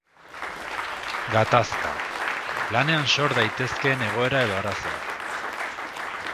Gatazka: lanean sor daitezkeen egoera edo arazoak